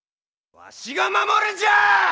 わしが守るんじゃあ！